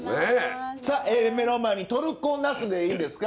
目の前にトルコナスでいいんですか。